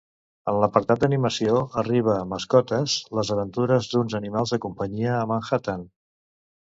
En l'apartat d'animació arriba "Mascotes", les aventures d'uns animals de companyia a Manhattan.